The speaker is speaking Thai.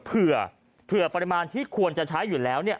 เผื่อปริมาณที่ควรจะใช้อยู่แล้ว